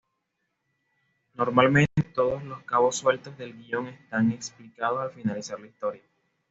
Normalmente, todos los cabos sueltos del guion están explicados al finalizar la historia.